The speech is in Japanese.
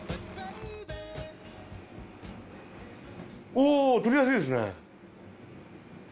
おぉ取りやすいですね。